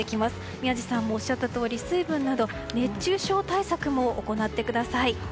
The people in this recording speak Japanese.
宮司さんもおっしゃったとおり水分など熱中症対策も行ってください。